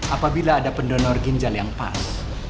apabila ada pendonor ginjal yang pas